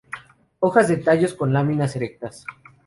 Hojas de tallos con las láminas erectas.